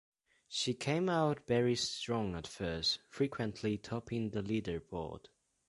She came out very strong at first, frequently topping the leaderboard.